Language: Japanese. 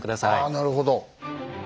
あなるほど。